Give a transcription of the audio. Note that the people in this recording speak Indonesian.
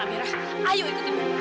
amirah ayo ikut ibu